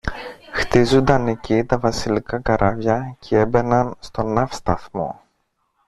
χτίζουνταν εκεί τα βασιλικά καράβια κι έμπαιναν στο ναύσταθμο.